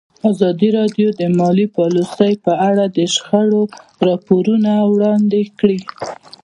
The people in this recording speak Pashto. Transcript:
ازادي راډیو د مالي پالیسي په اړه د شخړو راپورونه وړاندې کړي.